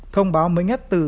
thông báo mới nhất từ